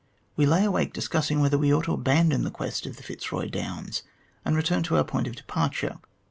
"We lay awake discussing whether we ought to abandon the quest of the Fitzroy Downs and return to our point of departure.